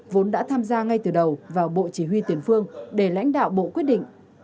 vốn đã tham gia ngay từ đầu vào bộ chỉ huy tiền phương để lãnh đạo bộ quyết định